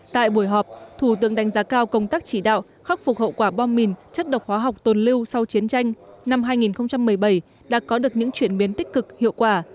tại buổi họp thủ tướng đánh giá cao công tác chỉ đạo khắc phục hậu quả bom mìn chất độc hóa học tồn lưu sau chiến tranh năm hai nghìn một mươi bảy đã có được những chuyển biến tích cực hiệu quả